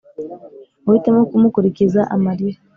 Uhitemo kumukurikiza amarira